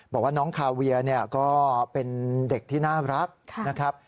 บอกว่าน้องคาเวียเนี่ยก็เป็นเด็กที่น่ารักนะครับ